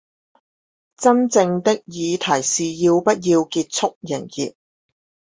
真正的議題是要不要結束營業